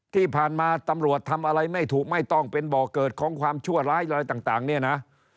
ที่ผ่านมาตำรวจทำอะไรไม่ถูกไม่ต้องเป็นบ่อเกิดของความชั่วร้ายอะไรต่างเนี่ยนะ